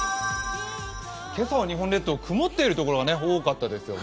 今朝は日本列島、曇っている所が多かったですよね。